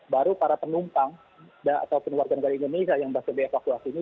baru para penumpang atau penuagang negara indonesia yang sudah di evakuasi ini